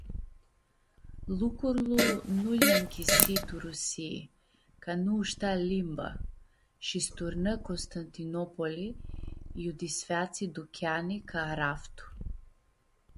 Lucurlu nu lji ãnchisi tu Rusii ca nu u-shtea limba shi s-turnã Constantinopoli iu disfeatsi ducheani ca araftu.